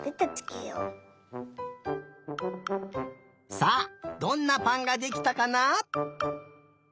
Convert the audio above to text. さあどんなぱんができたかな？